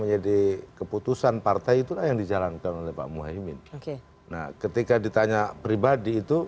menjadi keputusan partai itulah yang dijalankan oleh pak muhaymin oke nah ketika ditanya pribadi itu